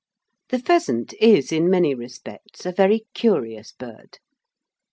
The pheasant is in many respects a very curious bird.